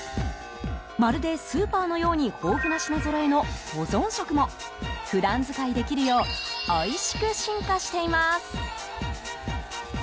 まるでスーパーのように豊富な品ぞろえの保存食も普段使いできるようおいしく進化しています。